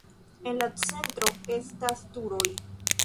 En la centro estas turoj.